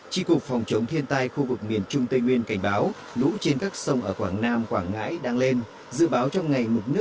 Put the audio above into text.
tri cục phòng chống thiên tai khu vực miền trung tây nguyên cảnh báo lũ trên các sông ở quảng nam quảng ngãi đang lên